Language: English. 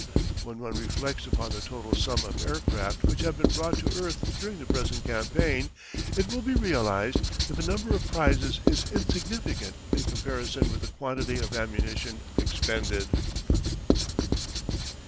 When one reflects upon the total sum of aircraft which have been brought to earth during the present campaign, it will be realised that the number of prizes is insignificant in comparison with the quantity of ammunition expended.